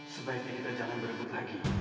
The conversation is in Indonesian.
sebaiknya kita jangan berebut lagi